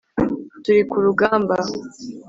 turi ku rugamba